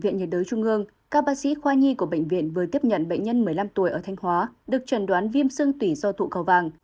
các bác sĩ khoa nhi của bệnh viện vừa tiếp nhận bệnh nhân một mươi năm tuổi ở thanh hóa được trần đoán viêm xương tủy do tụ cầu vàng